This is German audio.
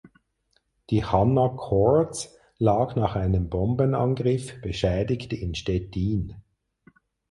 Die "Hanna Cords" lag nach einem Bombenangriff beschädigt in Stettin.